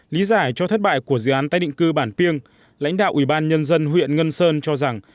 lý giải cho thất bại của dự án tái định cư bản piêng lãnh đạo ủy ban nhân dân huyện ngân sơn cho rằng